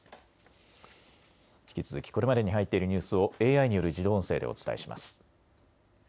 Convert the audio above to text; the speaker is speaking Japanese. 引き続きこれまでに入っているニュースをＡＩによる自動音声でお伝えします。